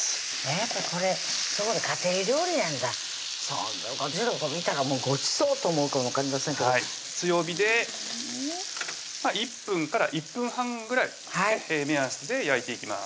やっぱこれ家庭料理なんだ私らが見たらもうごちそうと思うかもわかりませんけど強火で１分から１分半ぐらい目安で焼いていきます